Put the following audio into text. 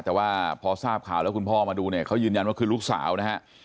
แต่ว่าพอทราบข่าวแล้วคุณพ่อมาดูเนี่ยเขายืนยันว่าคือลูกสาวนะฮะ